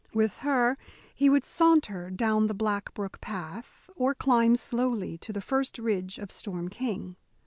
With her he would saunter down the Black Brook path, or climb slowly to the first ridge of Storm King.